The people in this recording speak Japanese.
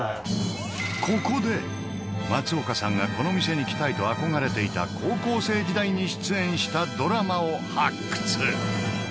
ここで松岡さんがこの店に来たいと憧れていた高校生時代に出演したドラマを発掘。